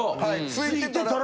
付いてたら。